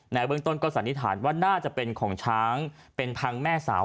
เบื้องต้นก็สันนิษฐานว่าน่าจะเป็นของช้างเป็นพังแม่สาว